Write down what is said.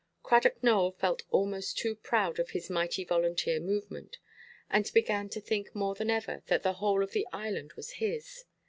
Cradock Nowell felt almost too proud of his mighty volunteer movement, and began to think more than ever that the whole of the island was his.